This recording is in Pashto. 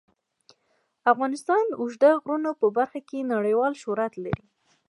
افغانستان د اوږده غرونه په برخه کې نړیوال شهرت لري.